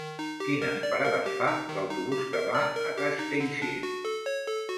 Quines parades fa l'autobús que va a Castellcir?